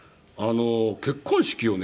結婚式をね